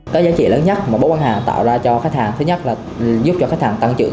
cái giá trị lớn nhất mà bốn bán hàng tạo ra cho khách hàng thứ nhất là giúp cho khách hàng tăng trưởng